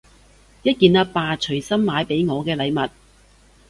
一件阿爸隨心買畀我嘅禮物